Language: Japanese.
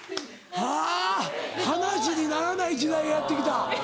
はぁ話にならない時代やって来た。